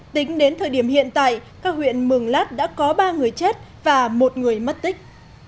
tính đến thời điểm hiện tại các huyện mường lát đã có ba người chết và một người mất tích